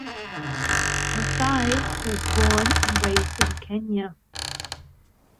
Mathai was born and raised in Kenya.